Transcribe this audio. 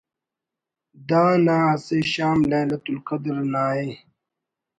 د انا اسہ شام لیلۃ القدر نا ءِ